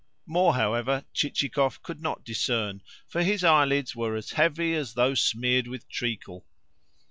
More, however, Chichikov could not discern, for his eyelids were as heavy as though smeared with treacle.